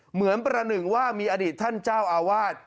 เหมือนประหนึ่งว่ามีอดีตท่านเจ้าอาวาส